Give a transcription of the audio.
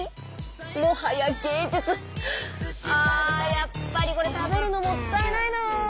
やっぱりこれ食べるのもったいないな。